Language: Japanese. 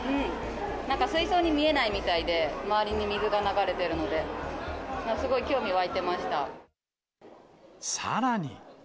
なんか、水槽に見えないみたいで、周りに水が流れてるので、さらに。